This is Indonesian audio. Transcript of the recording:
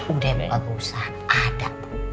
udah nggak usah ada